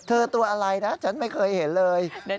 ตัวอะไรนะฉันไม่เคยเห็นเลย